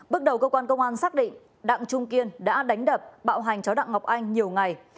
bước đầu cơ quan công an xác định đặng trung kiên đã đánh đập bạo hành cháu đặng ngọc anh nhiều ngày